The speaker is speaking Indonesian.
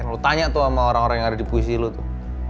lo tanya tuh sama orang orang yang ada di puisi lu tuh